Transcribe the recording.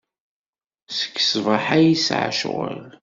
Seg ṣṣbaḥ ay yesɛa ccɣel.